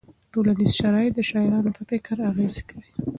ټولنیز شرایط د شاعرانو په فکر اغېز کوي.